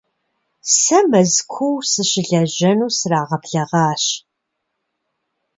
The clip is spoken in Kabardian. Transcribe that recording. Сэ Мэзкуу сыщылэжьэну срагъэблэгъащ.